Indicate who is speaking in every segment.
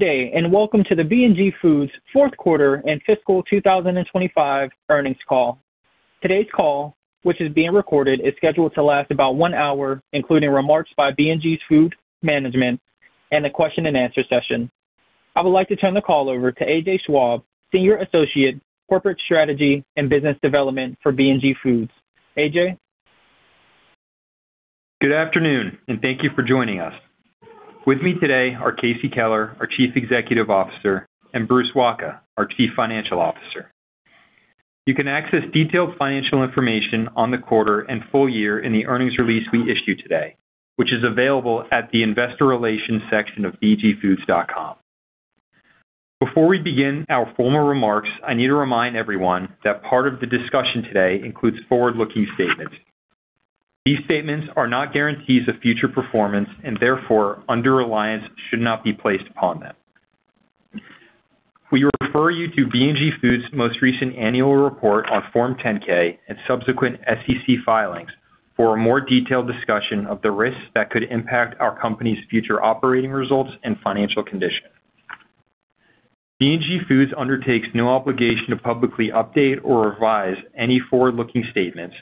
Speaker 1: Good day, and welcome to the B&G Foods fourth quarter and fiscal 2025 earnings call. Today's call, which is being recorded, is scheduled to last about one hour, including remarks by B&G Foods management and a question and answer session. I would like to turn the call over to AJ Schwabe, Senior Associate, Corporate Strategy and Business Development for B&G Foods. AJ?
Speaker 2: Good afternoon. Thank you for joining us. With me today are Casey Keller, our Chief Executive Officer, and Bruce Wacha, our Chief Financial Officer. You can access detailed financial information on the quarter and full year in the earnings release we issued today, which is available at the investor relations section of bgfoods.com. Before we begin our formal remarks, I need to remind everyone that part of the discussion today includes forward-looking statements. These statements are not guarantees of future performance. Therefore under reliance should not be placed upon them. We refer you to B&G Foods most recent annual report on Form 10-K and subsequent SEC filings for a more detailed discussion of the risks that could impact our company's future operating results and financial condition. B&G Foods undertakes no obligation to publicly update or revise any forward-looking statements,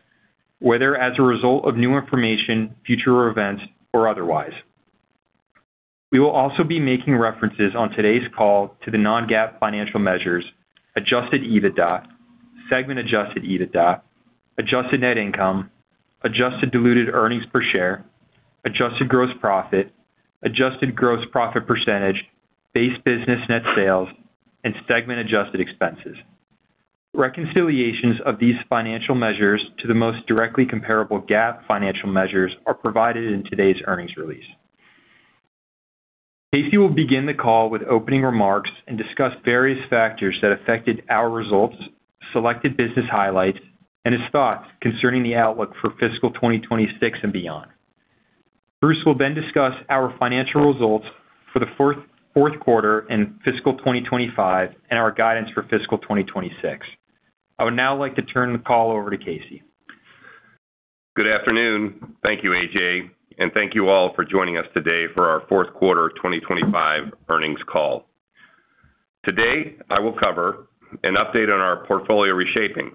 Speaker 2: whether as a result of new information, future events, or otherwise. We will also be making references on today's call to the non-GAAP financial measures, adjusted EBITDA, segment adjusted EBITDA, adjusted net income, adjusted diluted earnings per share, adjusted gross profit, adjusted gross profit percentage, base business net sales, and segment adjusted expenses. Reconciliations of these financial measures to the most directly comparable GAAP financial measures are provided in today's earnings release. Casey will begin the call with opening remarks and discuss various factors that affected our results, selected business highlights, and his thoughts concerning the outlook for fiscal 2026 and beyond. Bruce will then discuss our financial results for the Q4 in fiscal 2025 and our guidance for fiscal 2026. I would now like to turn the call over to Casey.
Speaker 3: Good afternoon. Thank you, AJ, and thank you all for joining us today for our Q4 2025 earnings call. Today, I will cover an update on our portfolio reshaping,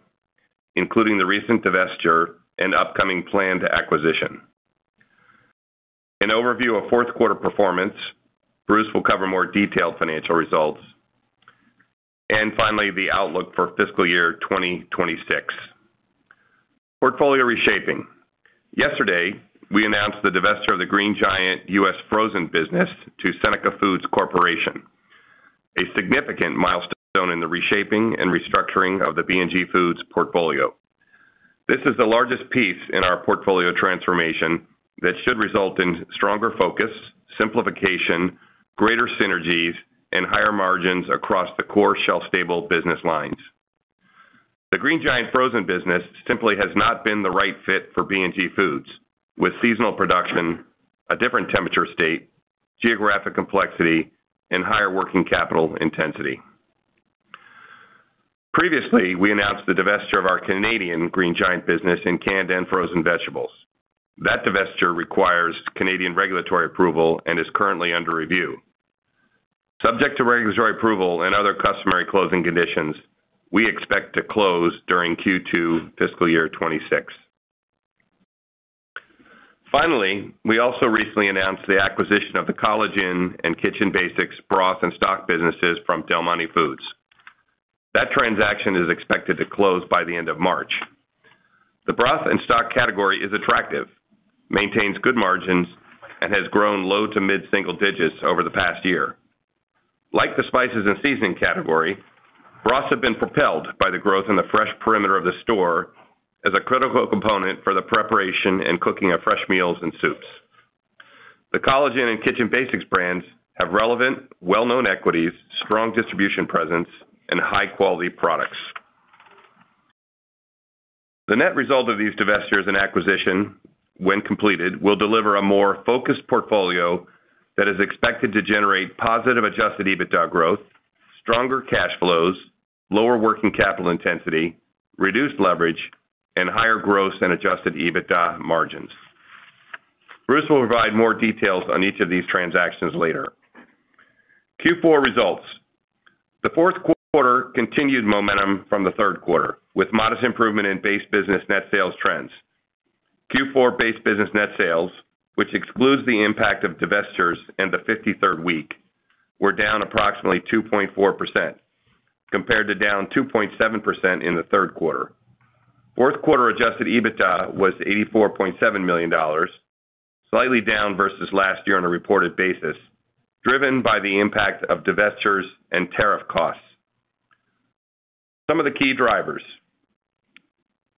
Speaker 3: including the recent divestiture and upcoming planned acquisition. An overview of Q4 performance, Bruce will cover more detailed financial results. Finally, the outlook for FY 2026. Portfolio reshaping. Yesterday, we announced the divestiture of the Green Giant U.S. Frozen business to Seneca Foods Corporation, a significant milestone in the reshaping and restructuring of the B&G Foods portfolio. This is the largest piece in our portfolio transformation that should result in stronger focus, simplification, greater synergies, and higher margins across the core shelf-stable business lines. The Green Giant Frozen business simply has not been the right fit for B&G Foods, with seasonal production, a different temperature state, geographic complexity, and higher working capital intensity. Previously, we announced the divestiture of our Canadian Green Giant business in canned and frozen vegetables. That divestiture requires Canadian regulatory approval and is currently under review. Subject to regulatory approval and other customary closing conditions, we expect to close during Q2 FY 26. Finally, we also recently announced the acquisition of the College Inn and Kitchen Basics broth and stock businesses from Del Monte Foods. That transaction is expected to close by the end of March. The broth and stock category is attractive, maintains good margins, and has grown low to mid-single digits over the past year. Like the spices and seasoning category, broths have been propelled by the growth in the fresh perimeter of the store as a critical component for the preparation and cooking of fresh meals and soups. The College Inn and Kitchen Basics brands have relevant, well-known equities, strong distribution presence, and high-quality products. The net result of these divestitures and acquisition, when completed, will deliver a more focused portfolio that is expected to generate positive adjusted EBITDA growth, stronger cash flows, lower working capital intensity, reduced leverage, and higher gross and adjusted EBITDA margins. Bruce will provide more details on each of these transactions later. Q4 results. The Q4 continued momentum from the Q3, with modest improvement in base business net sales trends. Q4 base business net sales, which excludes the impact of divestitures in the 53rd week, were down approximately 2.4% compared to down 2.7% in the Q3. Q4 adjusted EBITDA was $84.7 million, slightly down versus last year on a reported basis, driven by the impact of divestitures and tariff costs. Some of the key drivers.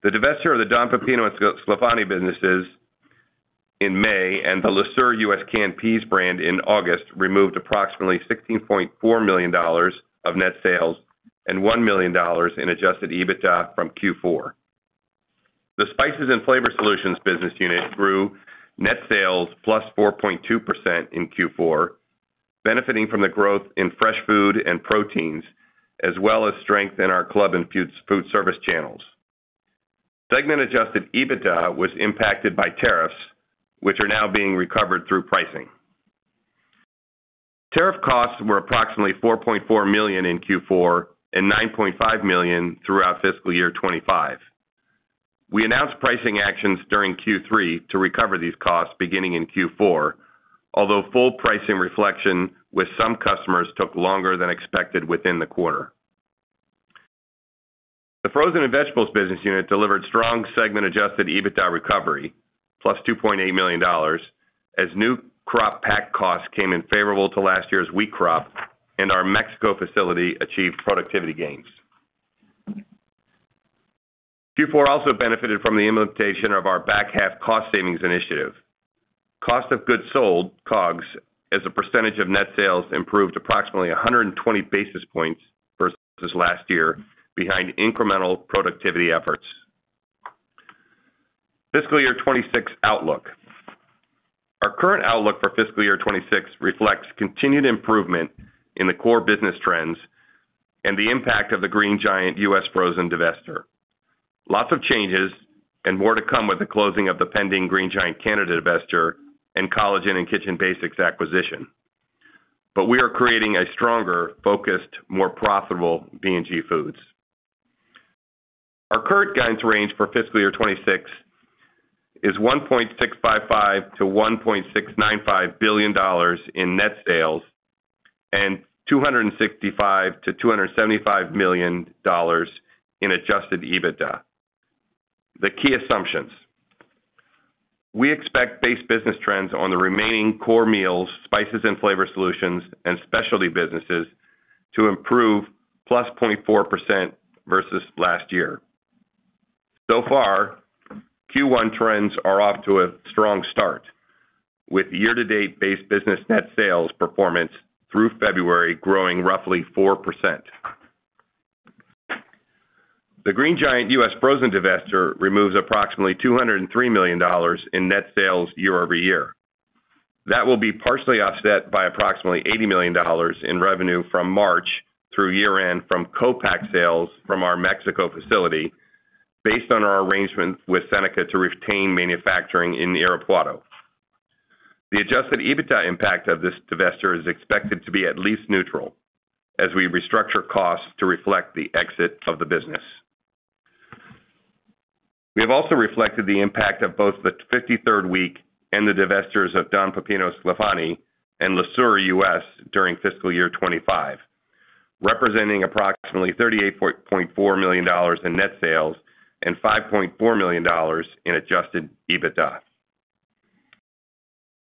Speaker 3: The divestiture of the Don Pepino and Sclafani businesses in May and the Le Sueur US canned peas brand in August removed approximately $16.4 million of net sales and $1 million in adjusted EBITDA from Q4. The Spices & Flavor Solutions business unit grew net sales +4.2% in Q4, benefiting from the growth in fresh food and proteins, as well as strength in our club and food service channels. Segment adjusted EBITDA was impacted by tariffs, which are now being recovered through pricing. Tariff costs were approximately $4.4 million in Q4 and $9.5 million throughout FY 2025. We announced pricing actions during Q3 to recover these costs beginning in Q4, although full pricing reflection with some customers took longer than expected within the quarter. The frozen and vegetables Business Unit delivered strong segment adjusted EBITDA recovery, +$2.8 million, as new crop pack costs came in favorable to last year's wheat crop and our Mexico facility achieved productivity gains. Q4 also benefited from the implementation of our back half cost savings initiative. Cost of goods sold, COGS, as a percentage of net sales improved approximately 120 basis points versus last year behind incremental productivity efforts. FY 2026 outlook. Our current outlook for FY 2026 reflects continued improvement in the core business trends and the impact of the Green Giant U.S. Frozen divestor. Lots of changes and more to come with the closing of the pending Green Giant Canada divestor and College Inn and Kitchen Basics acquisition. We are creating a stronger, focused, more profitable B&G Foods. Our current guidance range for FY 2026 is $1.655 billion-$1.695 billion in net sales and $265 million-$275 million in adjusted EBITDA. The key assumptions. We expect base business trends on the remaining core meals, Spices & Flavor Solutions and specialty businesses to improve +0.4% versus last year. Far, Q1 trends are off to a strong start with year-to-date base business net sales performance through February growing roughly 4%. The Green Giant U.S. Frozen divestor removes approximately $203 million in net sales year-over-year. That will be partially offset by approximately $80 million in revenue from March through year end from co-pack sales from our Mexico facility based on our arrangement with Seneca to retain manufacturing in Irapuato. The adjusted EBITDA impact of this divestor is expected to be at least neutral as we restructure costs to reflect the exit of the business. We have also reflected the impact of both the 53rd week and the divestitures of Don Pepino's Sclafani and Le Sueur US during FY 2025, representing approximately $38.4 million in net sales and $5.4 million in adjusted EBITDA.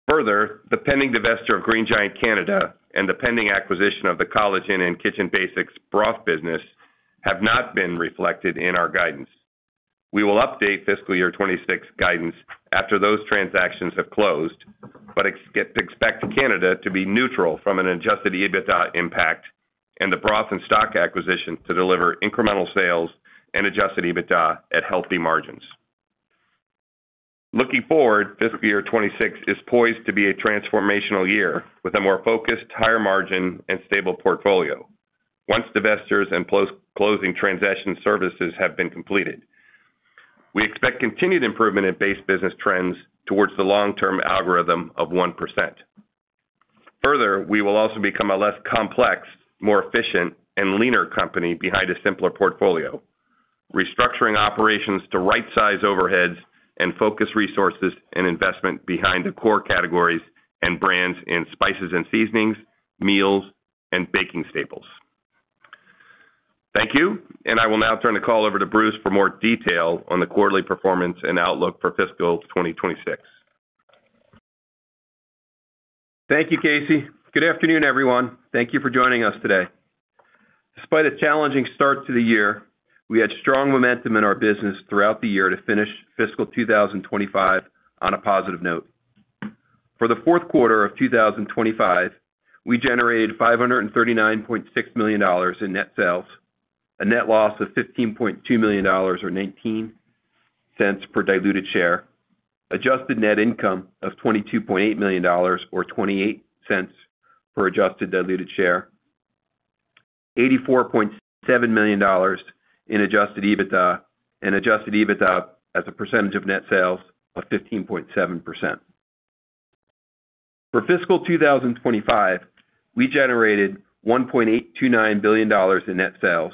Speaker 3: Further, the pending divestiture of Green Giant Canada and the pending acquisition of the College Inn and Kitchen Basics broth business have not been reflected in our guidance. We will update FY 2026 guidance after those transactions have closed, but expect Canada to be neutral from an adjusted EBITDA impact and the broth and stock acquisition to deliver incremental sales and adjusted EBITDA at healthy margins. Looking forward, FY 2026 is poised to be a transformational year with a more focused, higher margin and stable portfolio once divestitures and close-closing transaction services have been completed. We expect continued improvement in base business trends towards the long-term algorithm of 1%. Further, we will also become a less complex, more efficient and leaner company behind a simpler portfolio, restructuring operations to right size overheads and focus resources and investment behind the core categories and brands in spices and seasonings, meals, and baking staples. Thank you. I will now turn the call over to Bruce for more detail on the quarterly performance and outlook for fiscal 2026.
Speaker 4: Thank you, Casey. Good afternoon, everyone. Thank you for joining us today. Despite a challenging start to the year, we had strong momentum in our business throughout the year to finish fiscal 2025 on a positive note. For the Q4 of 2025, we generated $539.6 million in net sales, a net loss of $15.2 million or $0.19 per diluted share, adjusted net income of $22.8 million or $0.28 per adjusted diluted share, $84.7 million in adjusted EBITDA and adjusted EBITDA as a percentage of net sales of 15.7%. For fiscal 2025, we generated $1.829 billion in net sales,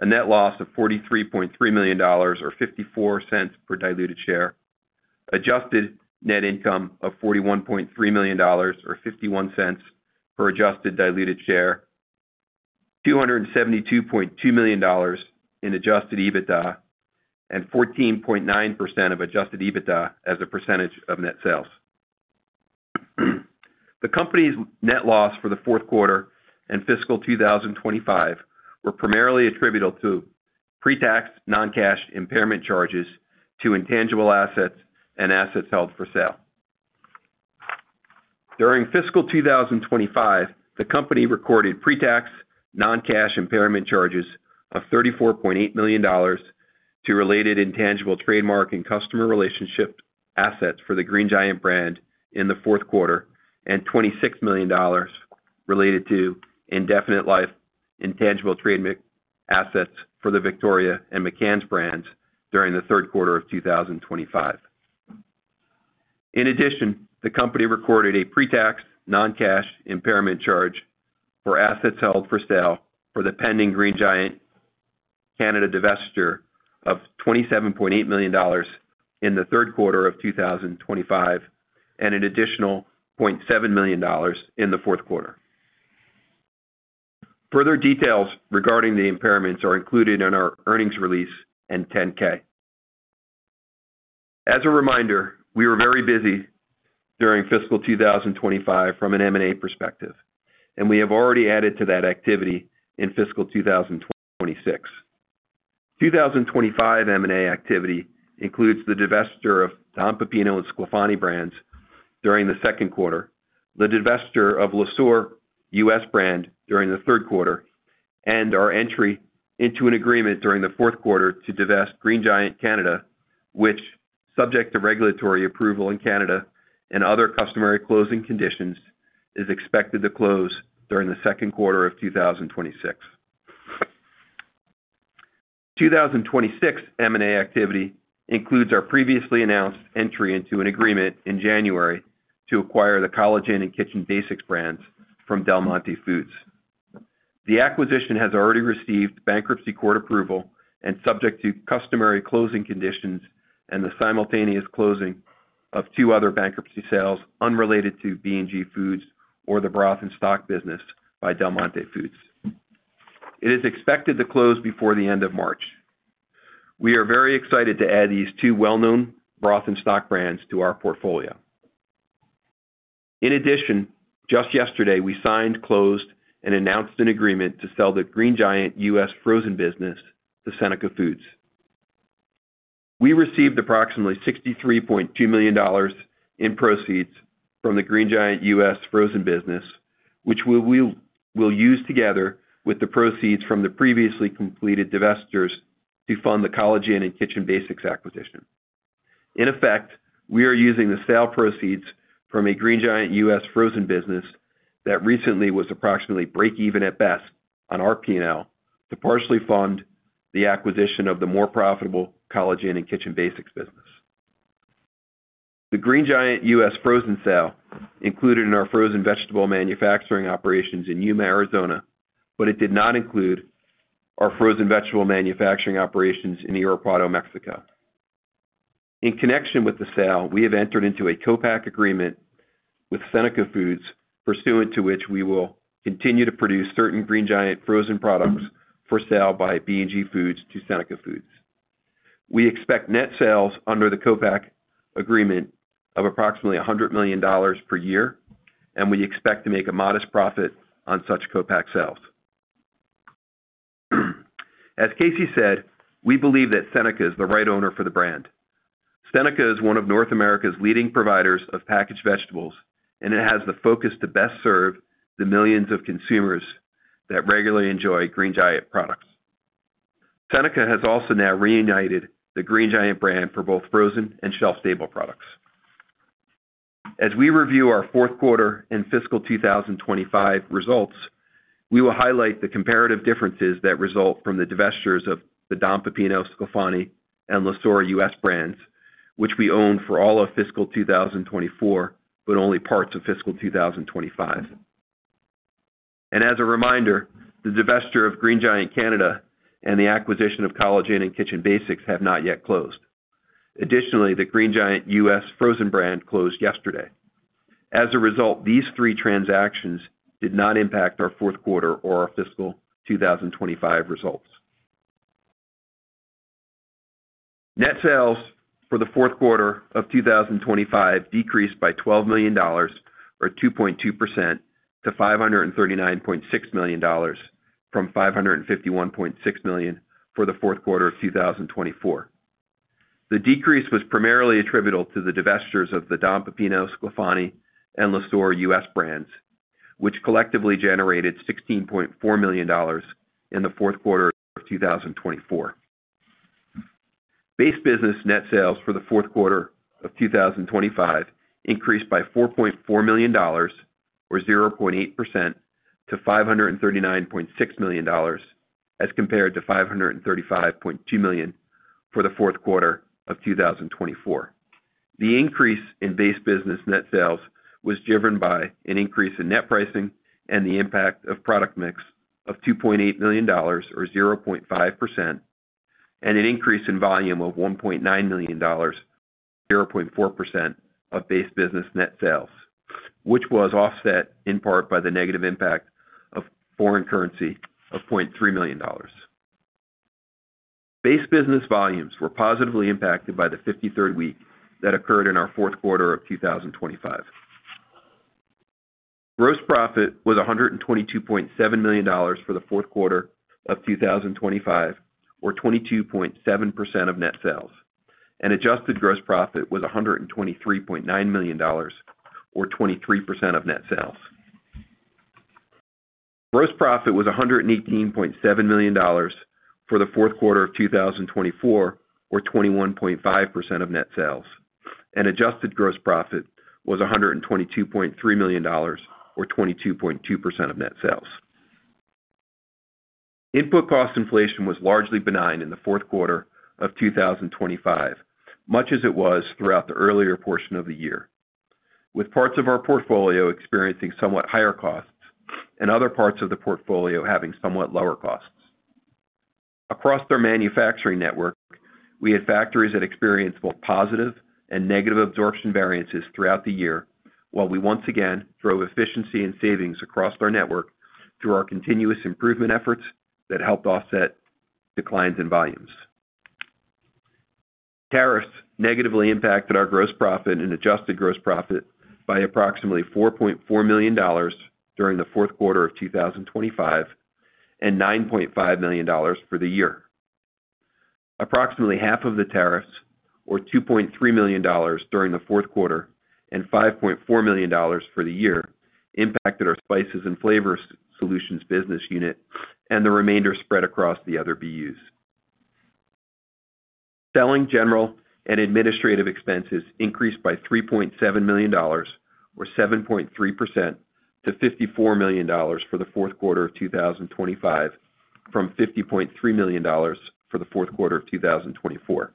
Speaker 4: a net loss of $43.3 million or $0.54 per diluted share, adjusted net income of $41.3 million or $0.51 per adjusted diluted share, $272.2 million in adjusted EBITDA and 14.9% of adjusted EBITDA as a percentage of net sales. The company's net loss for the Q4 and fiscal 2025 were primarily attributable to pre-tax non-cash impairment charges to intangible assets and assets held for sale. During fiscal 2025, the company recorded pre-tax non-cash impairment charges of $34.8 million to related intangible trademark and customer relationship assets for the Green Giant brand in the Q4 and $26 million Related to indefinite life intangible trademark assets for the Victoria and McCann's brands during the Q3 of 2025. In addition, the company recorded a pre-tax non-cash impairment charge for assets held for sale for the pending Green Giant Canada divestiture of $27.8 million in the Q3 of 2025, and an additional $0.7 million in the Q4. Further details regarding the impairments are included in our earnings release and 10-K. As a reminder, we were very busy during fiscal 2025 from an M&A perspective, and we have already added to that activity in fiscal 2026. 2025 M&A activity includes the divestiture of Don Pepino and Sclafani brands during the Q2, the divestiture of Le Sueur U.S. brand during the Q3, and our entry into an agreement during the Q4 to divest Green Giant Canada, which, subject to regulatory approval in Canada and other customary closing conditions, is expected to close during the Q2 of 2026. 2026 M&A activity includes our previously announced entry into an agreement in January to acquire the College Inn and Kitchen Basics brands from Del Monte Foods. The acquisition has already received bankruptcy court approval and subject to customary closing conditions and the simultaneous closing of two other bankruptcy sales unrelated to B&G Foods or the broth and stock business by Del Monte Foods. It is expected to close before the end of March. We are very excited to add these two well known broth and stock brands to our portfolio. Just yesterday we signed, closed and announced an agreement to sell the Green Giant U.S. Frozen business to Seneca Foods. We received approximately $63.2 million in proceeds from the Green Giant U.S. Frozen business, which we will use together with the proceeds from the previously completed divestitures to fund the College Inn and Kitchen Basics acquisition. In effect, we are using the sale proceeds from a Green Giant U.S. Frozen business that recently was approximately break even at best on our P and L to partially fund the acquisition of the more profitable College Inn and Kitchen Basics business. The Green Giant U.S. Frozen sale included in our frozen vegetable manufacturing operations in Yuma, Arizona, but it did not include our frozen vegetable manufacturing operations in Irapuato, Mexico. In connection with the sale, we have entered into a co pack agreement with Seneca Foods, pursuant to which we will continue to produce certain Green Giant frozen products for sale by B&G Foods to Seneca Foods. We expect net sales under the co pack agreement of approximately $100 million per year, and we expect to make a modest profit on such co pack sales. As Casey said, we believe that Seneca is the right owner for the brand. Seneca is one of North America's leading providers of packaged vegetables, and it has the focus to best serve the millions of consumers that regularly enjoy Green Giant products. Seneca has also now reunited the Green Giant brand for both frozen and shelf stable products. As we review our Q4 and fiscal 2025 results, we will highlight the comparative differences that result from the divestitures of the Don Pepino, Sclafani and Le Sueur U.S. brands, which we owned for all of fiscal 2024, but only parts of fiscal 2025. As a reminder, the divestiture of Green Giant Canada and the acquisition of College Inn and Kitchen Basics have not yet closed. Additionally, the Green Giant U.S. Frozen brand closed yesterday. As a result, these three transactions did not impact our Q4 or our fiscal 2025 results. Net sales for the Q4 of 2025 decreased by $12 million, or 2.2% to $539.6 million from $551.6 million for the Q4 of 2024. The decrease was primarily attributable to the divestitures of the Don Pepino, Sclafani and Le Sueur U.S. brands, which collectively generated $16.4 million in the Q4 of 2024. Base business net sales for the Q4 of 2025 increased by $4.4 million, or 0.8% to $539.6 million as compared to $535.2 million for the Q4 of 2024. The increase in base business net sales was driven by an increase in net pricing and the impact of product mix of $2.8 million, or 0.5%, and an increase in volume of $1.9 million, 0.4% of base business net sales, which was offset in part by the negative impact of foreign currency of $0.3 million. Base business volumes were positively impacted by the 53rd week that occurred in our Q4 of 2025. Gross profit was $122.7 million for the Q4 of 2025, or 22.7% of net sales, and adjusted gross profit was $123.9 million, or 23% of net sales. Gross profit was $118.7 million for the Q4 of 2024, or 21.5% of net sales, and adjusted gross profit was $122.3 million, or 22.2% of net sales. Input cost inflation was largely benign in the Q4 of 2025, much as it was throughout the earlier portion of the year, with parts of our portfolio experiencing somewhat higher costs and other parts of the portfolio having somewhat lower costs. Across their manufacturing network, we had factories that experienced both positive and negative absorption variances throughout the year, while we once again drove efficiency and savings across our network through our continuous improvement efforts that helped offset declines in volumes. Tariffs negatively impacted our gross profit and adjusted gross profit by approximately $4.4 million during the Q4 of 2025 and $9.5 million for the year. Approximately half of the tariffs, or $2.3 million during the Q4 and $5.4 million for the year, impacted our Spices & Flavor Solutions business unit and the remainder spread across the other BUs. Selling, general and administrative expenses increased by $3.7 million, or 7.3% to $54 million for the Q4 of 2025 from $50.3 million for the Q4 of 2024.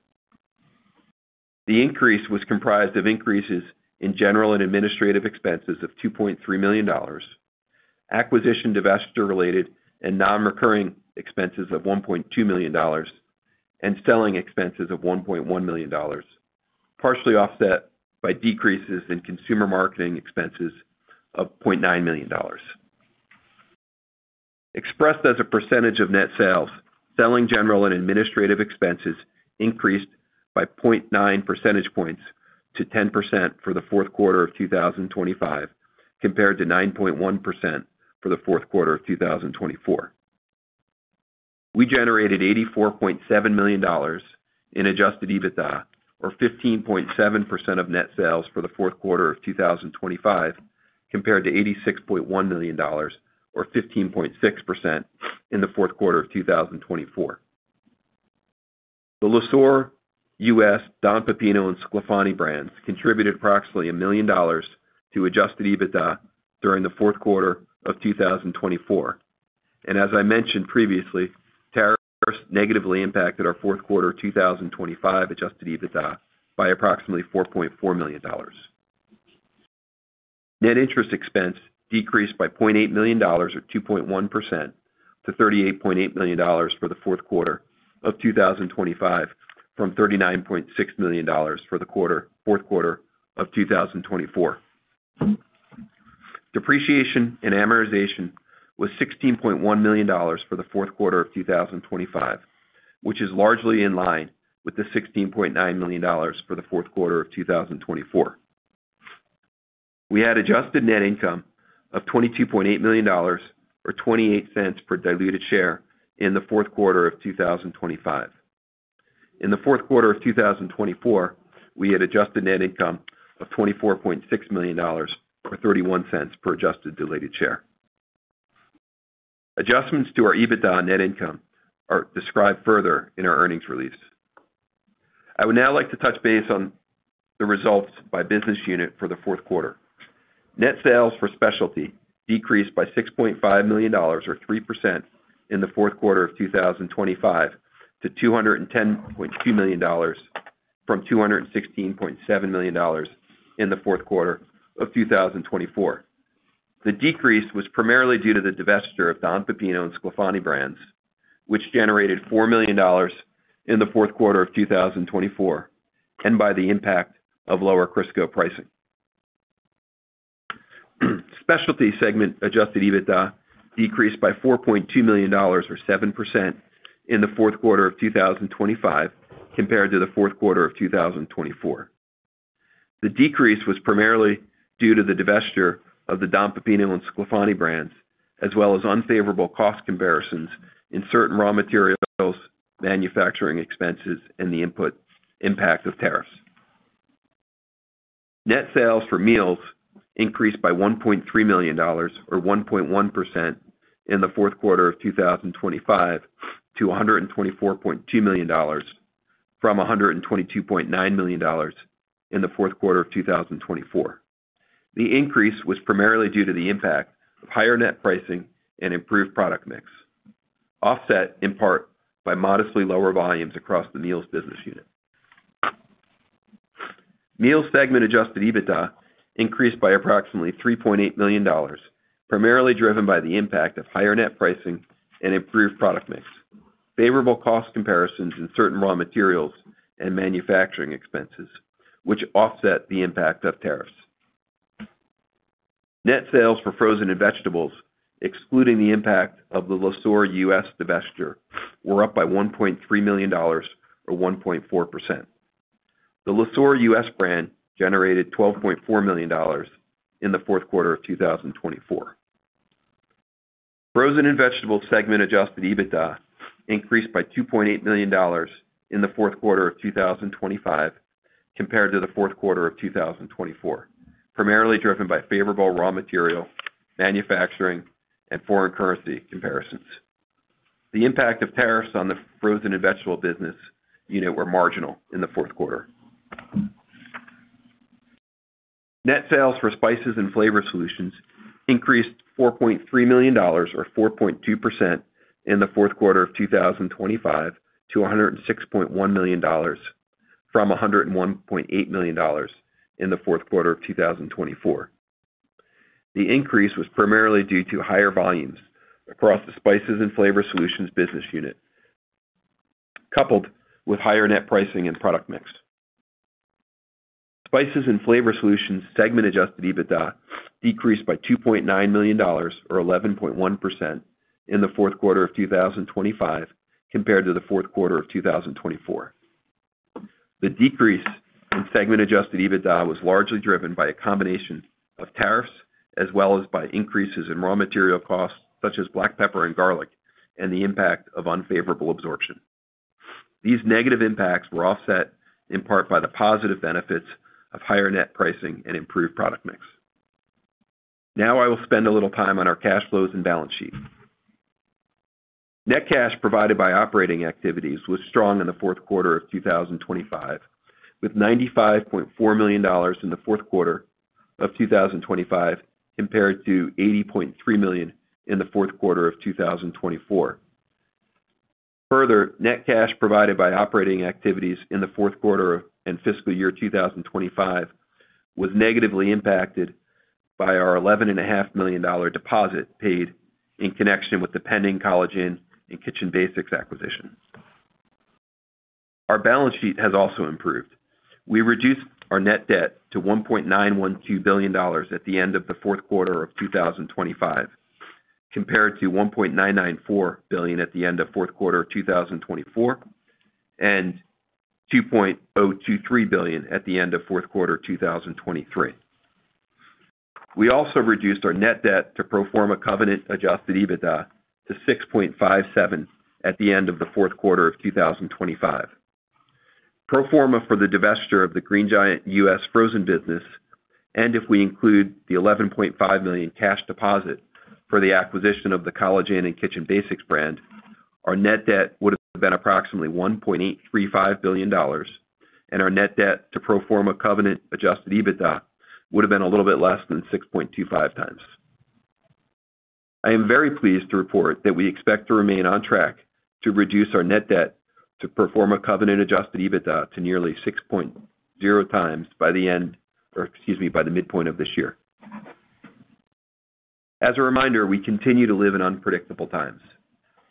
Speaker 4: The increase was comprised of increases in general and administrative expenses of $2.3 million, acquisition divestiture-related and non-recurring expenses of $1.2 million, and selling expenses of $1.1 million, partially offset by decreases in consumer marketing expenses of $0.9 million. Expressed as a percentage of net sales, selling, general and administrative expenses increased by 0.9 percentage points to 10% for the Q4 of 2025 compared to 9.1% for the Q4 of 2024. We generated $84.7 million in adjusted EBITDA, or 15.7% of net sales for the Q4 of 2025, compared to $86.1 million or 15.6% in the Q4 of 2024. The Le Sueur U.S., Don Pepino and Sclafani brands contributed approximately $1 million to adjusted EBITDA during the Q4 of 2024. As I mentioned previously, tariffs negatively impacted our Q4 2025 adjusted EBITDA by approximately $4.4 million. Net interest expense decreased by $0.8 million, or 2.1% to $38.8 million for the Q4 of 2025 from $39.6 million for the Q4 of 2024. Depreciation and amortization was $16.1 million for the Q4 of 2025, which is largely in line with the $16.9 million for the Q4 of 2024. We had adjusted net income of $22.8 million or $0.28 per diluted share in the Q4 of 2025. In the Q4 of 2024, we had adjusted net income of $24.6 million or $0.31 per adjusted diluted share. Adjustments to our EBITDA on net income are described further in our earnings release. I would now like to touch base on the results by business unit for the Q4. Net sales for Specialty decreased by $6.5 million or 3% in the Q4 of 2025 to $210.2 million from $216.7 million in the Q4 of 2024. The decrease was primarily due to the divestiture of Don Pepino and Sclafani brands, which generated $4 million in the Q4 of 2024, and by the impact of lower Crisco pricing. Specialty segment adjusted EBITDA decreased by $4.2 million or 7% in the Q4 of 2025 compared to the Q4 of 2024. The decrease was primarily due to the divestiture of the Don Pepino and Sclafani brands, as well as unfavorable cost comparisons in certain raw materials, manufacturing expenses, and the input impact of tariffs. Net sales for meals increased by $1.3 million, or 1.1% in the Q4 of 2025 to $124.2 million from $122.9 million in the Q4 of 2024. The increase was primarily due to the impact of higher net pricing and improved product mix, offset in part by modestly lower volumes across the meals business unit. Meals segment adjusted EBITDA increased by approximately $3.8 million, primarily driven by the impact of higher net pricing and improved product mix, favorable cost comparisons in certain raw materials and manufacturing expenses, which offset the impact of tariffs. Net sales for frozen and vegetables, excluding the impact of the Le Sueur U.S. Divestiture, were up by $1.3 million, or 1.4%. The Le Sueur U.S. brand generated $12.4 million in the Q4 of 2024. Frozen and vegetable segment adjusted EBITDA increased by $2.8 million in the Q4 of 2025. Compared to the Q4 of 2024, primarily driven by favorable raw material, manufacturing, and foreign currency comparisons. The impact of tariffs on the frozen and vegetable business unit were marginal in the Q4. Net sales for Spices and Flavor Solutions increased $4.3 million or 4.2% in the Q4 of 2025 to $106.1 million from $101.8 million in the Q4 of 2024. The increase was primarily due to higher volumes across the Spices and Flavor Solutions business unit, coupled with higher net pricing and product mix. Spices and Flavor Solutions segment adjusted EBITDA decreased by $2.9 million or 11.1% in the Q4 of 2025 compared to the Q4 of 2024. The decrease in segment adjusted EBITDA was largely driven by a combination of tariffs as well as by increases in raw material costs such as black pepper and garlic, and the impact of unfavorable absorption. These negative impacts were offset in part by the positive benefits of higher net pricing and improved product mix. I will spend a little time on our cash flows and balance sheet. Net cash provided by operating activities was strong in the Q4 of 2025, with $95.4 million in the Q4 of 2025 compared to $80.3 million in the Q4 of 2024. Further, net cash provided by operating activities in the Q4 and FY 2025 was negatively impacted by our $ eleven and a half million dollar deposit paid in connection with the pending College Inn and Kitchen Basics acquisition. Our balance sheet has also improved. We reduced our net debt to $1.912 billion at the end of the Q4 of 2025, compared to $1.994 billion at the end of Q4 of 2024, and $2.023 billion at the end of Q4 2023. We also reduced our net debt to pro forma covenant adjusted EBITDA to 6.57 at the end of the Q4 of 2025. Pro forma for the divesture of the Green Giant U.S. Frozen business, and if we include the $11.5 million cash deposit for the acquisition of the College Inn and Kitchen Basics brand, our net debt would have been approximately $1.835 billion, and our net debt to pro forma covenant adjusted EBITDA would have been a little bit less than 6.25x. I am very pleased to report that we expect to remain on track to reduce our net debt to pro forma covenant adjusted EBITDA to nearly 6.0x by the end or, excuse me, by the midpoint of this year. As a reminder, we continue to live in unpredictable times.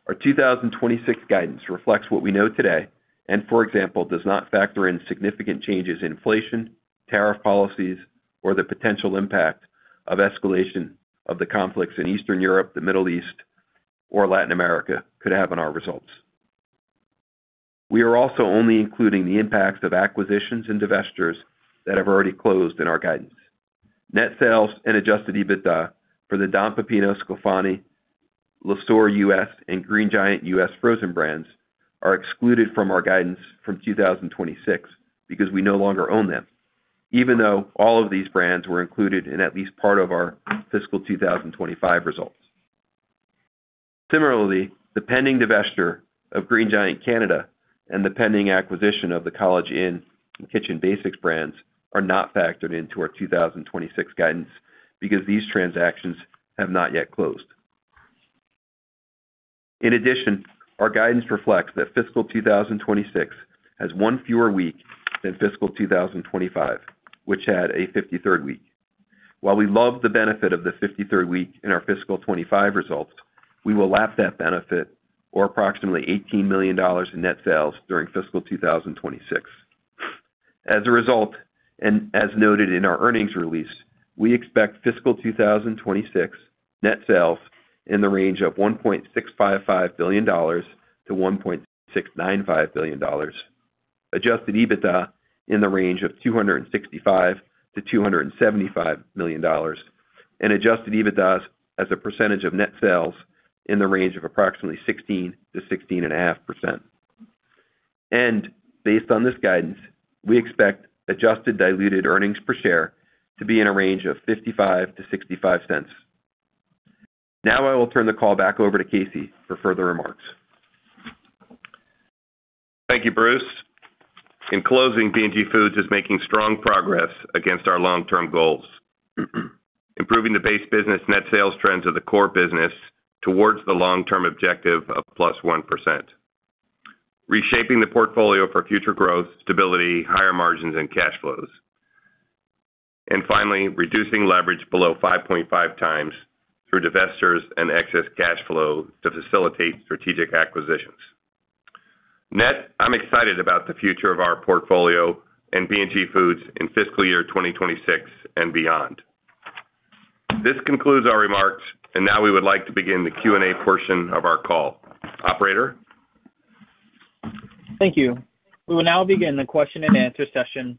Speaker 4: Our 2026 guidance reflects what we know today and, for example, does not factor in significant changes in inflation, tariff policies, or the potential impact of escalation of the conflicts in Eastern Europe, the Middle East, or Latin America could have on our results. We are also only including the impacts of acquisitions and divestitures that have already closed in our guidance. Net sales and adjusted EBITDA for the Don Pepino, Sclafani, Le Sueur U.S., and Green Giant U.S. Frozen brands are excluded from our guidance from 2026 because we no longer own them, even though all of these brands were included in at least part of our fiscal 2025 results. Similarly, the pending divestiture of Green Giant Canada and the pending acquisition of the College Inn and Kitchen Basics brands are not factored into our 2026 guidance because these transactions have not yet closed. In addition, our guidance reflects that fiscal 2026 has one fewer week than fiscal 2025, which had a 53rd week. While we love the benefit of the 53rd week in our fiscal 25 results, we will lap that benefit or approximately $18 million in net sales during fiscal 2026. As a result, and as noted in our earnings release, we expect fiscal 2026 net sales in the range of $1.655 billion-$1.695 billion, adjusted EBITDA in the range of $265 million-$275 million, and adjusted EBITDA as a percentage of net sales in the range of approximately 16%-16.5%. Based on this guidance, we expect adjusted diluted earnings per share to be in a range of $0.55-$0.65. Now I will turn the call back over to Casey for further remarks.
Speaker 3: Thank you, Bruce. In closing, B&G Foods is making strong progress against our long-term goals. Improving the base business net sales trends of the core business towards the long-term objective of +1%. Reshaping the portfolio for future growth, stability, higher margins and cash flows. Finally, reducing leverage below 5.5x through divestitures and excess cash flow to facilitate strategic acquisitions. Net, I'm excited about the future of our portfolio and B&G Foods in FY 2026 and beyond. This concludes our remarks and now we would like to begin the Q&A portion of our call. Operator?
Speaker 1: Thank you. We will now begin the question and answer session.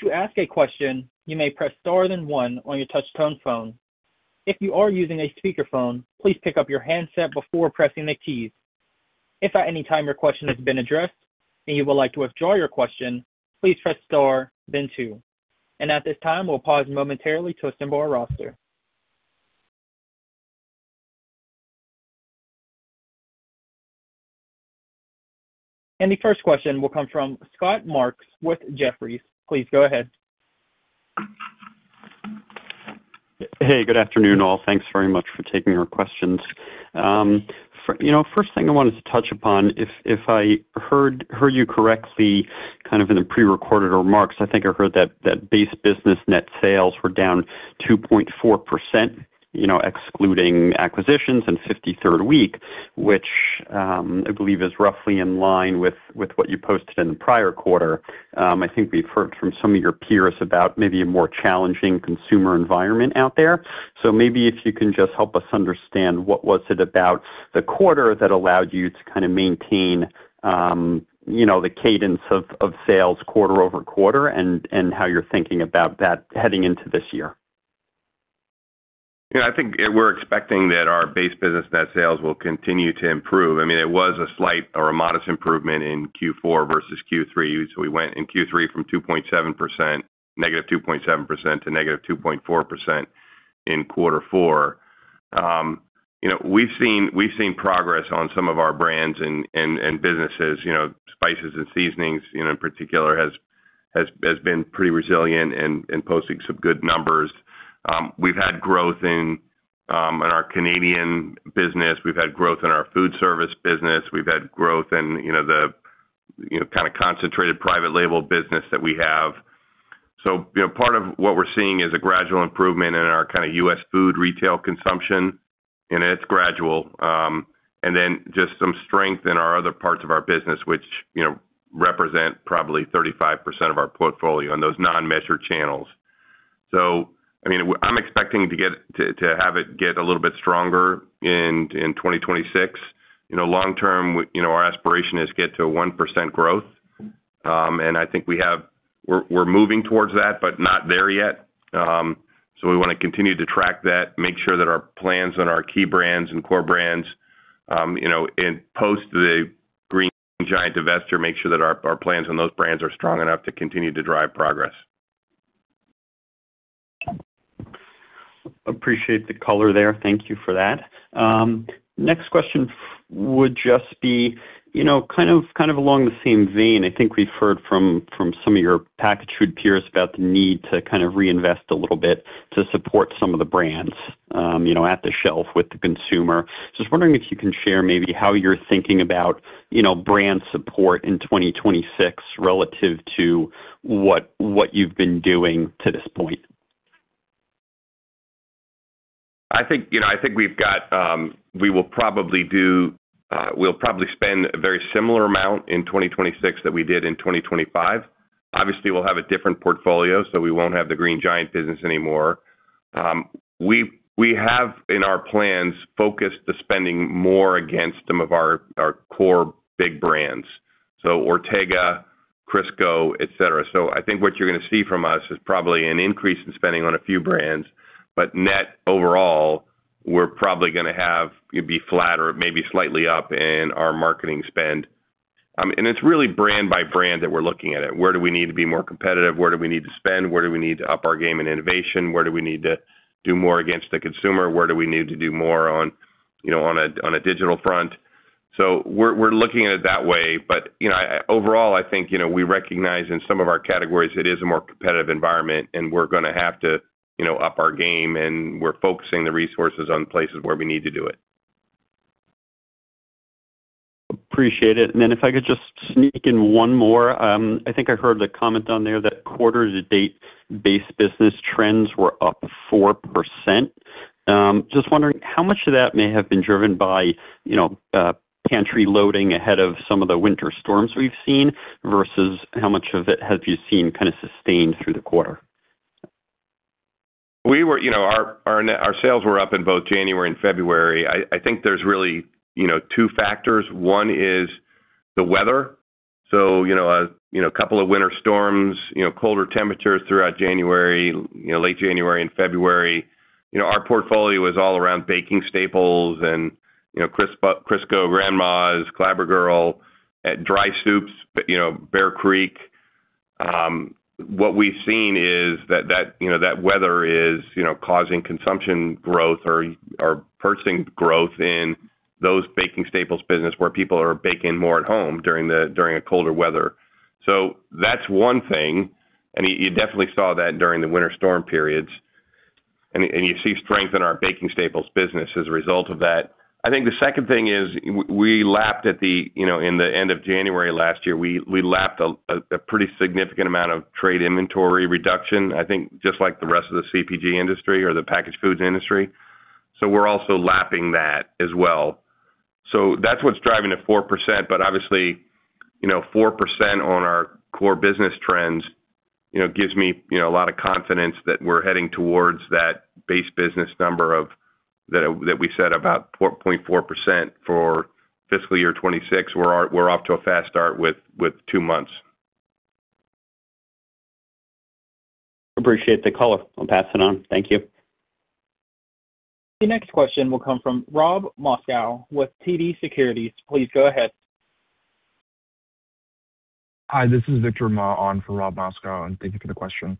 Speaker 1: To ask a question, you may press star then one on your touch tone phone. If you are using a speakerphone, please pick up your handset before pressing the keys. If at any time your question has been addressed and you would like to withdraw your question, please press star then two. At this time, we'll pause momentarily to assemble our roster. The first question will come from Scott Marks with Jefferies. Please go ahead.
Speaker 5: Hey, good afternoon, all. Thanks very much for taking our questions. You know, first thing I wanted to touch upon, if I heard you correctly, kind of in the pre-recorded remarks, I think I heard that base business net sales were down 2.4%, you know, excluding acquisitions in 53rd week, which, I believe is roughly in line with what you posted in the prior quarter. I think we've heard from some of your peers about maybe a more challenging consumer environment out there. Maybe if you can just help us understand what was it about the quarter that allowed you to kind of maintain, you know, the cadence of sales quarter-over-quarter and how you're thinking about that heading into this year.
Speaker 3: Yeah, I think we're expecting that our base business net sales will continue to improve. I mean, it was a slight or a modest improvement in Q4 versus Q3. We went in Q3 from -2.7% to -2.4% in Q4. You know, we've seen progress on some of our brands and businesses, you know, spices and seasonings, you know, in particular has been pretty resilient in posting some good numbers. We've had growth in our Canadian business. We've had growth in our food service business. We've had growth in, you know, the, you know, kind of concentrated private label business that we have. You know, part of what we're seeing is a gradual improvement in our kind of U.S. food retail consumption, and it's gradual, and then just some strength in our other parts of our business, which, you know, represent probably 35% of our portfolio in those non-measured channels. I mean, I'm expecting to have it get a little bit stronger in 2026. You know, long term, you know, our aspiration is get to a 1% growth, and I think we're moving towards that, but not there yet. We want to continue to track that, make sure that our plans and our key brands and core brands, you know, and post the Green Giant investor, make sure that our plans and those brands are strong enough to continue to drive progress.
Speaker 5: Appreciate the color there. Thank you for that. Next question would just be, you know, kind of along the same vein. I think we've heard from some of your packaged food peers about the need to kind of reinvest a little bit to support some of the brands, you know, at the shelf with the consumer. Just wondering if you can share maybe how you're thinking about, you know, brand support in 2026 relative to what you've been doing to this point.
Speaker 3: I think, you know, I think we've got, we will probably do, we'll probably spend a very similar amount in 2026 that we did in 2025. Obviously, we'll have a different portfolio, so we won't have the Green Giant business anymore. We have in our plans focused the spending more against some of our core big brands, so Ortega, Crisco, et cetera. I think what you're gonna see from us is probably an increase in spending on a few brands. Net overall, we're probably gonna have it be flat or maybe slightly up in our marketing spend. It's really brand by brand that we're looking at it. Where do we need to be more competitive? Where do we need to spend? Where do we need to up our game in innovation? Where do we need to do more against the consumer? Where do we need to do more on, you know, on a digital front? We're looking at it that way. You know, overall, I think, you know, we recognize in some of our categories it is a more competitive environment and we're gonna have to, you know, up our game and we're focusing the resources on places where we need to do it.
Speaker 5: Appreciate it. If I could just sneak in 1 more. I think I heard the comment on there that quarter-to-date base business trends were up 4%. Just wondering how much of that may have been driven by, you know, pantry loading ahead of some of the winter storms we've seen versus how much of it have you seen kind of sustained through the quarter?
Speaker 3: We were, you know, our sales were up in both January and February. I think there's really, you know, two factors. One is the weather. You know, a couple of winter storms, you know, colder temperatures throughout January, you know, late January and February. You know, our portfolio is all around baking staples and, you know, Crisco, Grandma's, Clabber Girl, dry soups, you know, Bear Creek. What we've seen is that, you know, that weather is, you know, causing consumption growth or purchasing growth in those baking staples business where people are baking more at home during a colder weather. That's one thing, and you definitely saw that during the winter storm periods. You see strength in our baking staples business as a result of that. I think the second thing is we lapped at the, you know, in the end of January last year, we lapped a pretty significant amount of trade inventory reduction, I think just like the rest of the CPG industry or the packaged foods industry. We're also lapping that as well. That's what's driving the 4%, obviously, you know, 4% on our core business trends, you know, gives me, you know, a lot of confidence that we're heading towards that base business number that we set about 4.4% for FY 2026. We're off to a fast start with 2 months.
Speaker 5: Appreciate the call. I'll pass it on. Thank you.
Speaker 1: The next question will come from Rob Moskow with TD Securities. Please go ahead.
Speaker 6: Hi, this is Victor Ma on for Rob Moskow. Thank you for the question.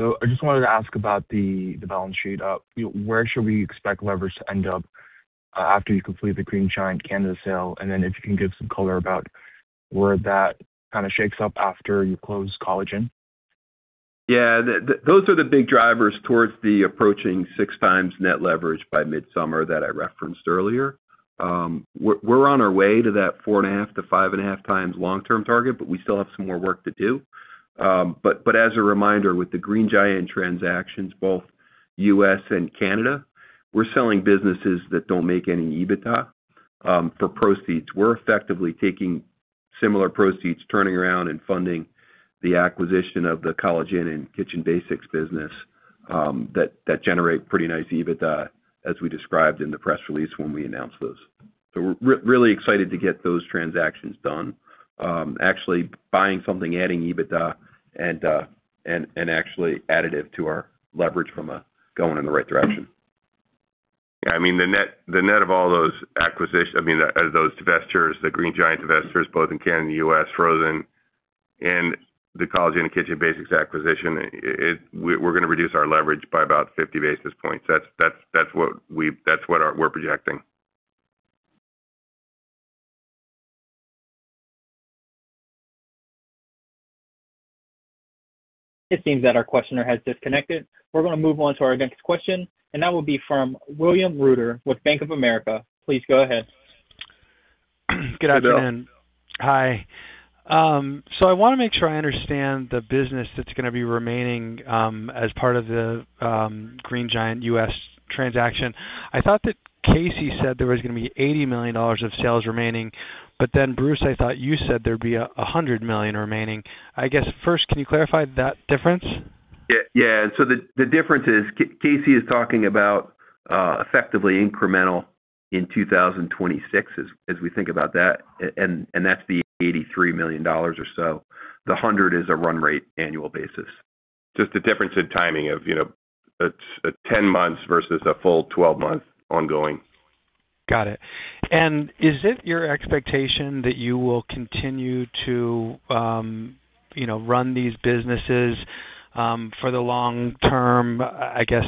Speaker 6: I just wanted to ask about the balance sheet. Where should we expect leverage to end up after you complete the Green Giant Canada sale? If you can give some color about where that kinda shakes up after you close College Inn.
Speaker 4: Those are the big drivers towards the approaching 6x net leverage by mid-summer that I referenced earlier. We're on our way to that 4.5x-5.5x long-term target. We still have some more work to do. As a reminder, with the Green Giant transactions, both U.S. and Canada, we're selling businesses that don't make any EBITDA for proceeds. We're effectively taking similar proceeds, turning around and funding the acquisition of the College Inn and Kitchen Basics business that generate pretty nice EBITDA as we described in the press release when we announced those. We're really excited to get those transactions done. Actually buying something, adding EBITDA and actually additive to our leverage from a going in the right direction. I mean, the net of all those acquisitions, I mean, those divestitures, the Green Giant divestitures, both in Canada and U.S., Frozen and the College Inn and Kitchen Basics acquisition, we're gonna reduce our leverage by about 50 basis points. That's what we're projecting.
Speaker 1: It seems that our questioner has disconnected. We're gonna move on to our next question, that will be from William Reuter with Bank of America. Please go ahead.
Speaker 7: Good afternoon. Hi. I wanna make sure I understand the business that's gonna be remaining, as part of the Green Giant U.S. transaction. I thought that Casey said there was gonna be $80 million of sales remaining, Bruce, I thought you said there'd be $100 million remaining. I guess, first, can you clarify that difference?
Speaker 4: Yeah. The difference is Casey is talking about effectively incremental in 2026, as we think about that, and that's the $83 million or so. The $100 million is a run rate annual basis.
Speaker 3: Just a difference in timing of, you know, it's a 10 months versus a full 12-month ongoing.
Speaker 7: Got it. Is it your expectation that you will continue to, you know, run these businesses, for the long term? I guess,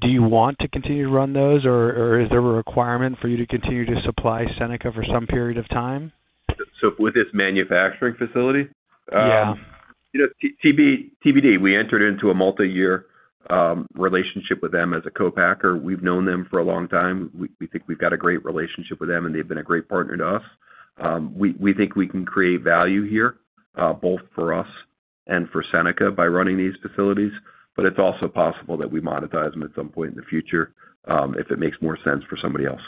Speaker 7: do you want to continue to run those or is there a requirement for you to continue to supply Seneca for some period of time?
Speaker 4: With this manufacturing facility?
Speaker 7: Yeah.
Speaker 4: You know, TBD, we entered into a multiyear relationship with them as a co-packer. We've known them for a long time. We think we've got a great relationship with them, and they've been a great partner to us. We think we can create value here, both for us and for Seneca by running these facilities, but it's also possible that we monetize them at some point in the future, if it makes more sense for somebody else.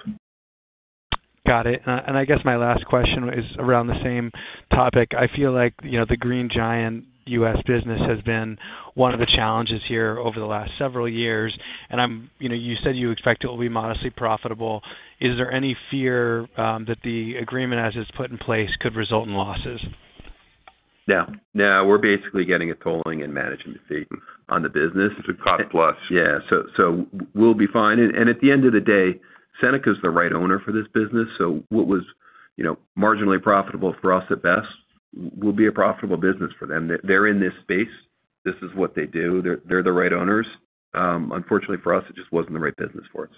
Speaker 7: Got it. I guess my last question is around the same topic. I feel like, you know, the Green Giant U.S. business has been one of the challenges here over the last several years. You know, you said you expect it will be modestly profitable. Is there any fear, that the agreement, as it's put in place, could result in losses?
Speaker 4: No, we're basically getting a tolling and management fee on the business.
Speaker 3: It's a cost plus.
Speaker 4: Yeah. We'll be fine. At the end of the day, Seneca is the right owner for this business. What was, you know, marginally profitable for us at best will be a profitable business for them. They're in this space. This is what they do. They're the right owners. Unfortunately for us, it just wasn't the right business for us.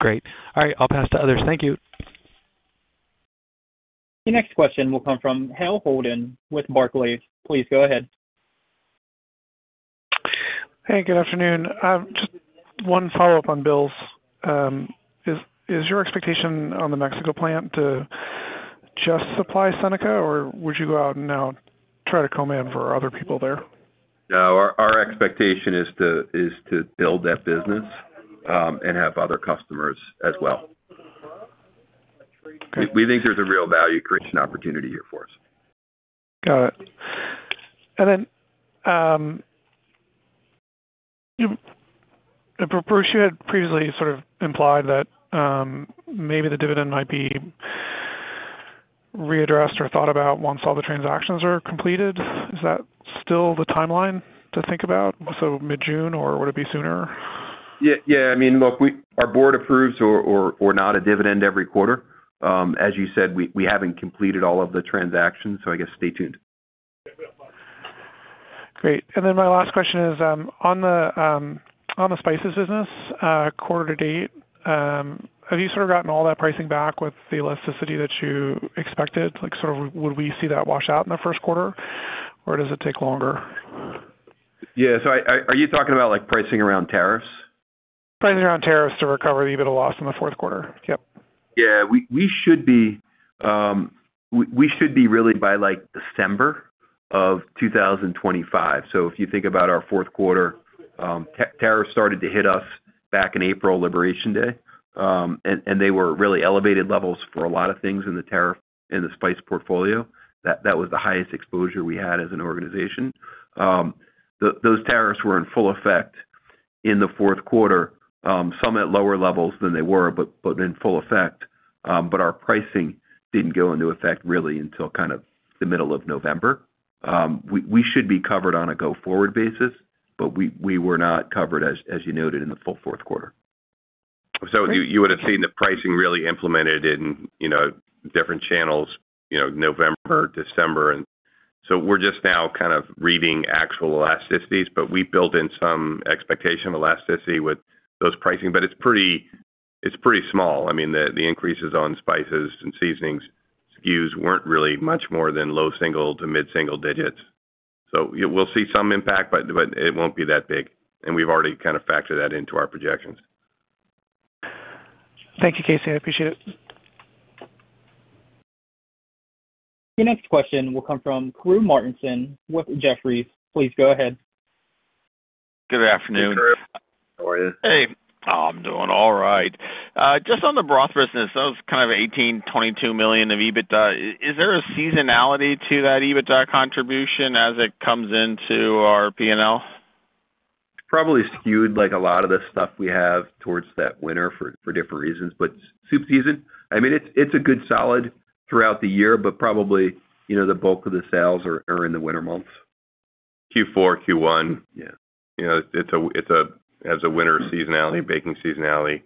Speaker 7: Great. All right, I'll pass to others. Thank you.
Speaker 1: The next question will come from Hale Holden with Barclays. Please go ahead.
Speaker 8: Hey, good afternoon. Just one follow-up on Bill's. Is your expectation on the Mexico plant to just supply Seneca, or would you go out and now try to come in for other people there?
Speaker 3: No, our expectation is to build that business, and have other customers as well. We think there's a real value creation opportunity here for us.
Speaker 8: Got it. Bruce, you had previously sort of implied that, maybe the dividend might be readdressed or thought about once all the transactions are completed. Is that still the timeline to think about? So mid-June, or would it be sooner?
Speaker 4: Yeah. I mean, look, our board approves or not a dividend every quarter. As you said, we haven't completed all of the transactions, I guess stay tuned.
Speaker 8: Great. Then my last question is, on the on the spices business, quarter-to -ate, have you sort of gotten all that pricing back with the elasticity that you expected? Like, sort of would we see that wash out in the Q1, or does it take longer?
Speaker 3: Yeah. Are you talking about, like, pricing around tariffs?
Speaker 8: Pricing around tariffs to recover the EBITDA loss in the Q4. Yep.
Speaker 4: We, we should be, we should be really by, like, December of 2025. So if you think about our Q4, tariffs started to hit us back in April, Liberation Day. And, and they were really elevated levels for a lot of things in the tariff, in the spice portfolio. That, that was the highest exposure we had as an organization. Those tariffs were in full effect in the Q4, some at lower levels than they were, but in full effect. But our pricing didn't go into effect really until kind of the middle of November. We, we should be covered on a go-forward basis, but we were not covered as you noted in the full Q4.
Speaker 3: You would have seen the pricing really implemented in, you know, different channels, you know, November, December. We're just now kind of reading actual elasticities, but we built in some expectation of elasticity with those pricing. It's pretty small. I mean the increases on spices and seasonings SKUs weren't really much more than low single to mid-single digits. We'll see some impact, but it won't be that big, and we've already kind of factored that into our projections.
Speaker 8: Thank you, Casey. I appreciate it.
Speaker 1: Your next question will come from Karru Martinson with Jefferies. Please go ahead.
Speaker 9: Good afternoon.
Speaker 4: Hey, Karru. How are you?
Speaker 9: Hey. I'm doing all right. Just on the broth business, that was kind of $18 million-$22 million of EBITDA. Is there a seasonality to that EBITDA contribution as it comes into our P&L?
Speaker 4: Probably skewed like a lot of the stuff we have towards that winter for different reasons. Soup season, I mean, it's a good solid throughout the year, but probably, you know, the bulk of the sales are in the winter months.
Speaker 9: Q4, Q1.
Speaker 4: Yeah.
Speaker 9: You know, it's a has a winter seasonality, baking seasonality,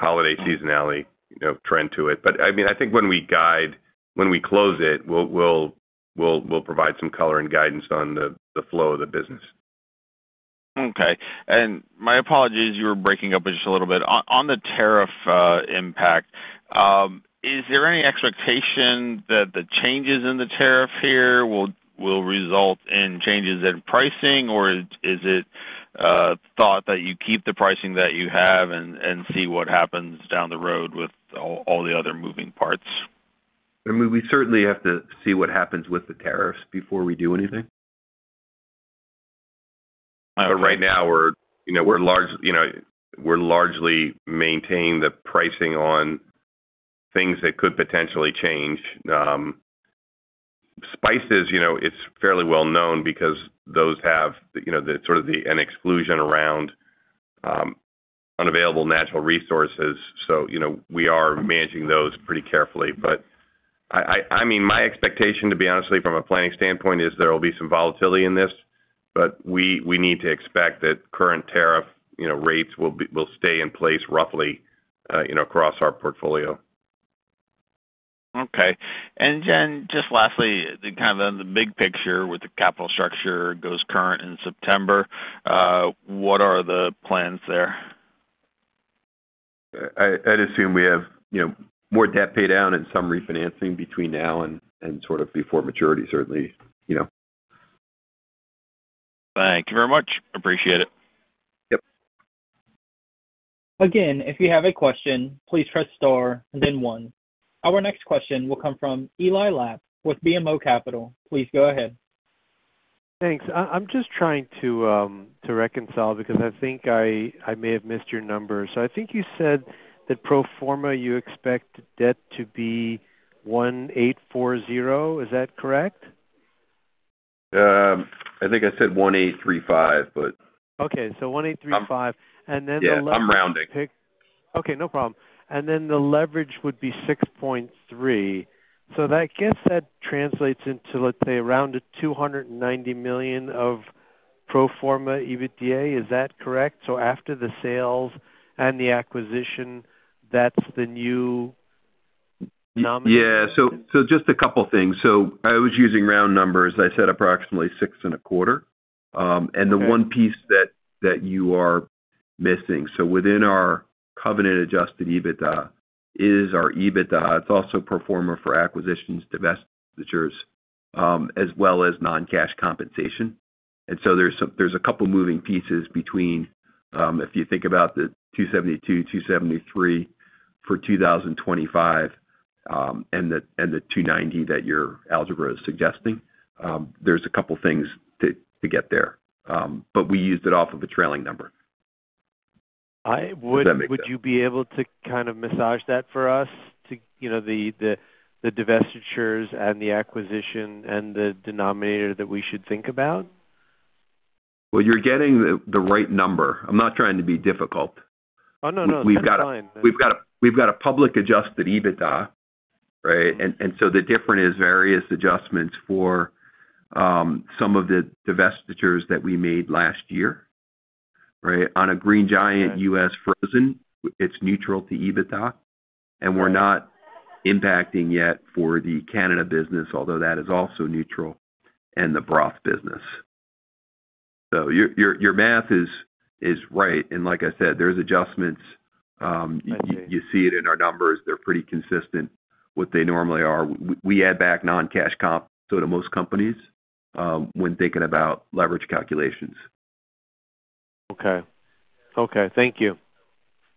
Speaker 9: holiday seasonality, you know, trend to it. I mean, I think when we close it, we'll provide some color and guidance on the flow of the business. My apologies, you were breaking up just a little bit. On the tariff impact, is there any expectation that the changes in the tariff here will result in changes in pricing? Or is it thought that you keep the pricing that you have and see what happens down the road with all the other moving parts?
Speaker 4: I mean, we certainly have to see what happens with the tariffs before we do anything.
Speaker 9: Okay.
Speaker 4: Right now we're, you know, we're largely maintaining the pricing on things that could potentially change. Spices, you know, it's fairly well known because those have, you know, the sort of an exclusion around unavailable natural resources. You know, we are managing those pretty carefully. I, I mean, my expectation, to be honest with you from a planning standpoint, is there will be some volatility in this, but we need to expect that current tariff, you know, rates will stay in place roughly, you know, across our portfolio.
Speaker 9: Okay. Then just lastly, the kind of the big picture with the capital structure goes current in September, what are the plans there?
Speaker 4: I'd assume we have, you know, more debt pay down and some refinancing between now and sort of before maturity, certainly, you know.
Speaker 9: Thank you very much. Appreciate it.
Speaker 4: Yep.
Speaker 1: Again, if you have a question, please press star then one. Our next question will come from Eli Lapp with BMO Capital. Please go ahead.
Speaker 10: Thanks. I'm just trying to reconcile because I may have missed your numbers. I think you said that pro forma, you expect debt to be $1,840. Is that correct?
Speaker 4: I think I said $1,835.
Speaker 10: Okay. $1,835.
Speaker 4: Yeah, I'm rounding.
Speaker 10: Okay, no problem. The leverage would be 6.3. I guess that translates into, let's say, around $290 million of pro forma EBITDA. Is that correct? After the sales and the acquisition, that's the new nominal-
Speaker 4: Just a couple things. I was using round numbers. I said approximately six and a quarter. The one piece that you are missing, within our covenant-adjusted EBITDA is our EBITDA. It's also pro forma for acquisitions, divestitures, as well as non-cash compensation. There's a couple moving pieces between, if you think about the $272-$273 for 2025, and the $290 that your algebra is suggesting, there's a couple things to get there. We used it off of a trailing number.
Speaker 10: I-- would-
Speaker 4: Does that make sense?
Speaker 10: Would you be able to kind of massage that for us to, you know, the, the divestitures and the acquisition and the denominator that we should think about?
Speaker 4: Well, you're getting the right number. I'm not trying to be difficult.
Speaker 10: Oh, no. That's fine.
Speaker 4: We've got a public adjusted EBITDA, right? The different is various adjustments for some of the divestitures that we made last year, right? On a Green Giant U.S. Frozen, it's neutral to EBITDA, and we're not impacting yet for the Canada business, although that is also neutral in the broth business. Your math is right. Like I said, there's adjustments.
Speaker 10: Okay.
Speaker 4: You see it in our numbers. They're pretty consistent what they normally are. We add back non-cash comp, so do most companies, when thinking about leverage calculations.
Speaker 10: Okay. Okay. Thank you.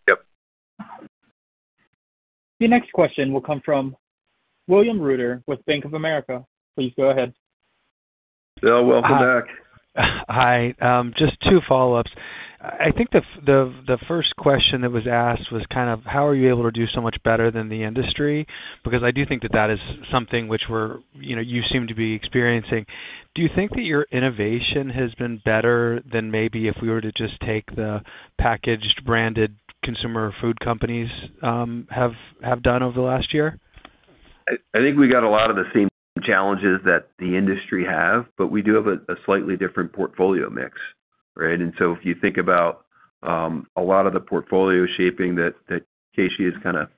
Speaker 4: Yep.
Speaker 1: Your next question will come from William Reuter with Bank of America. Please go ahead.
Speaker 3: Will, welcome back.
Speaker 7: Hi. Just two follow-ups. I think the first question that was asked was kind of how are you able to do so much better than the industry? I do think that that is something which we're, you know, you seem to be experiencing. Do you think that your innovation has been better than maybe if we were to just take the packaged branded consumer food companies have done over the last year?
Speaker 4: I think we got a lot of the same challenges that the industry have, we do have a slightly different portfolio mix, right? If you think about a lot of the portfolio shaping that KC has kinda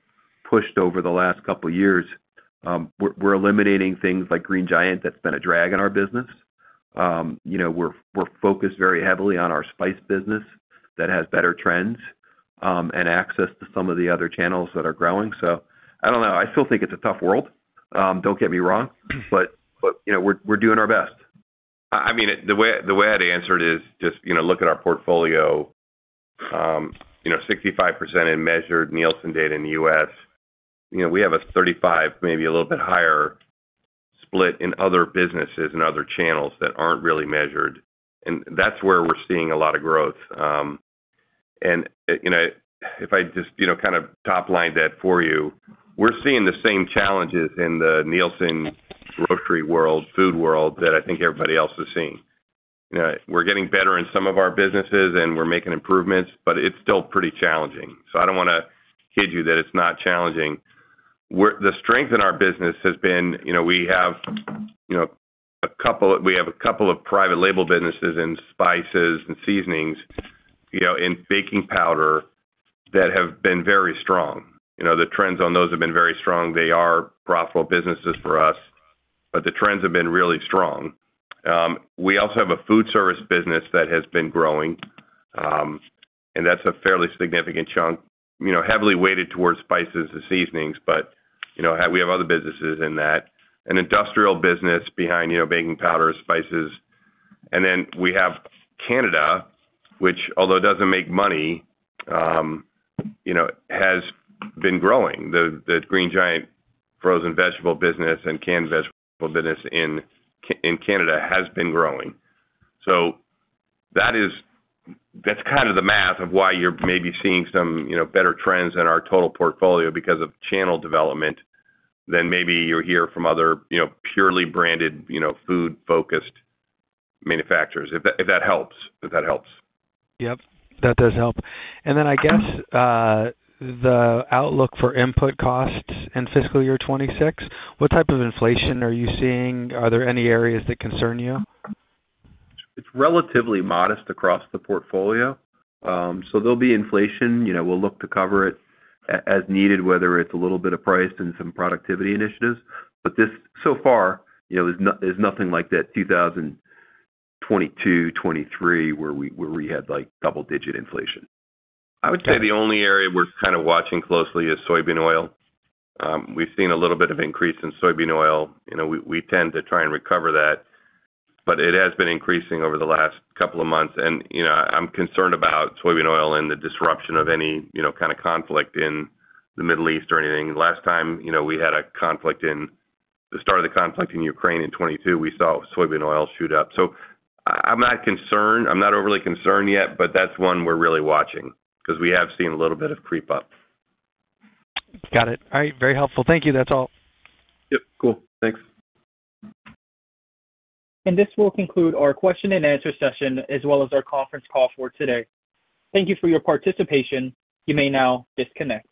Speaker 4: pushed over the last couple years, we're eliminating things like Green Giant that's been a drag on our business. You know, we're focused very heavily on our spice business that has better trends, and access to some of the other channels that are growing. I don't know. I still think it's a tough world, don't get me wrong, but, you know, we're doing our best. I mean, the way I'd answer it is just, you know, look at our portfolio. You know, 65% in measured Nielsen data in the U.S. You know, we have a 35, maybe a little bit higher split in other businesses and other channels that aren't really measured, and that's where we're seeing a lot of growth. If I just, you know, kind of top-lined that for you, we're seeing the same challenges in the Nielsen grocery world, food world that I think everybody else is seeing. You know, we're getting better in some of our businesses, and we're making improvements, but it's still pretty challenging. I don't wanna kid you that it's not challenging. The strength in our business has been, you know, we have, you know, a couple of private label businesses in spices and seasonings, you know, in baking powder that have been very strong. You know, the trends on those have been very strong. They are profitable businesses for us. The trends have been really strong. We also have a food service business that has been growing, and that's a fairly significant chunk, you know, heavily weighted towards spices and seasonings, but, you know, we have other businesses in that. An industrial business behind, you know, baking powder, spices. Then we have Canada, which although doesn't make money, you know, has been growing. The Green Giant frozen vegetable business and canned vegetable business in Canada has been growing. That's kind of the math of why you're maybe seeing some, you know, better trends in our total portfolio because of channel development than maybe you'll hear from other, you know, purely branded, you know, food-focused manufacturers. If that helps.
Speaker 7: Yep, that does help. I guess, the outlook for input costs in FY 2026, what type of inflation are you seeing? Are there any areas that concern you?
Speaker 4: It's relatively modest across the portfolio. There'll be inflation, you know, we'll look to cover it as needed, whether it's a little bit of price and some productivity initiatives. This, so far, you know, there's nothing like that 2022, 2023 where we had, like, double-digit inflation. I would say the only area we're kind of watching closely is soybean oil. We've seen a little bit of increase in soybean oil. You know, we tend to try and recover that, but it has been increasing over the last couple of months. You know, I'm concerned about soybean oil and the disruption of any, you know, kind of conflict in the Middle East or anything. Last time, you know, we had a conflict in Ukraine in 2022, we saw soybean oil shoot up. I'm not concerned, I'm not overly concerned yet, but that's one we're really watching 'cause we have seen a little bit of creep up.
Speaker 7: Got it. All right. Very helpful. Thank you. That's all.
Speaker 3: Yep. Cool. Thanks.
Speaker 1: This will conclude our question and answer session as well as our conference call for today. Thank you for your participation. You may now disconnect.